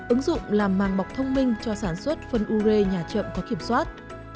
ứng dụng làm màng bọc thông minh cho sản xuất phân u rê nhà chậm có kiểm soát